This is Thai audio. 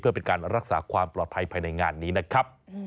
เพื่อเป็นการรักษาความปลอดภัยภายในงานนี้นะครับ